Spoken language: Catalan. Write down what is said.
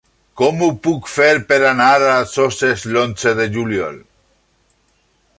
Com ho puc fer per anar a Soses l'onze de juliol?